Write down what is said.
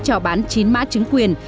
trò bán chín mã trứng quyền